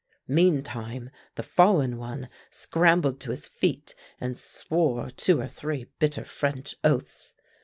Meantime the fallen one scrambled to his feet and swore two or three bitter French oaths.